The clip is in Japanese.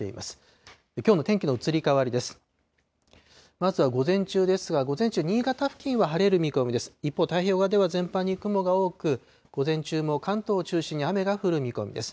まずは午前中ですが、午前中、新潟付近は晴れる見込みです。